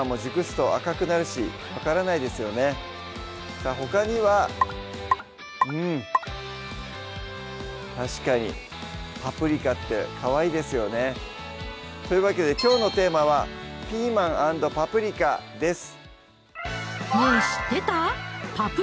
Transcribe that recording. さぁほかにはうん確かにパプリカってかわいいですよねというわけできょうのテーマは「ピーマン＆パプリカ」です